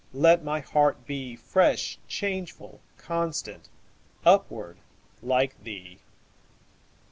Let my heart be Fresh, changeful, constant, Upward, like thee!